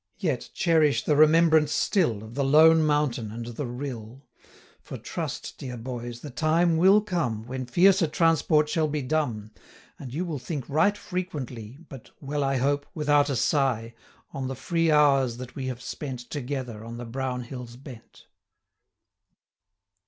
125 Yet cherish the remembrance still, Of the lone mountain, and the rill; For trust, dear boys, the time will come, When fiercer transport shall be dumb, And you will think right frequently, 130 But, well I hope, without a sigh, On the free hours that we have spent, Together, on the brown hill's bent.